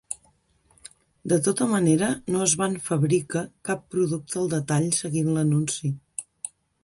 De tota manera, no es van fabrica cap producte al detall seguint l'anunci.